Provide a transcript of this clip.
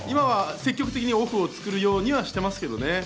積極的にオフを作るようにしていますけどね。